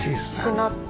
しなって。